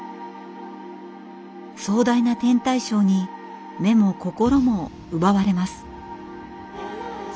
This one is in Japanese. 壮大な天体ショーに目も心も奪われます。